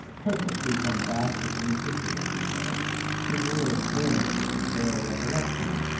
Perfectly bombastic and ridiculous, he said. His ears burned at the bare recollection.